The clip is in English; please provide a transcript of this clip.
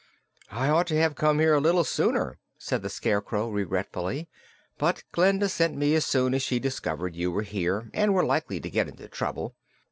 "I ought to have come here a little sooner," said the Scarecrow, regretfully; "but Glinda sent me as soon as she discovered you were here and were likely to get into trouble.